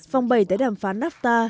vòng bảy tại đàm phán nafta